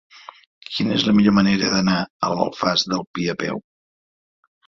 Quina és la millor manera d'anar a l'Alfàs del Pi a peu?